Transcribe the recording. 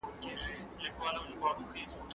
کوم کسان یوازي د رواني فشار ورکولو لپاره نیوکې کوي؟